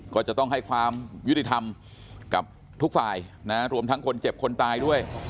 ก็จะต้องให้ความยุติธรรมกับทุกฝ่ายนะรวมทั้งคนเจ็บคนตายด้วย